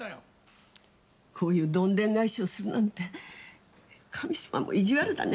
こういうどんでん返しをするなんて、神様も意地悪だね。